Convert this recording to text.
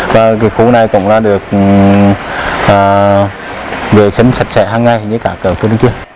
và khu này cũng được vệ sinh sạch sẽ hàng ngày như các khu nội truyền